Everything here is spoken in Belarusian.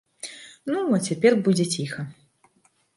Ну, а цяпер будзе ціха.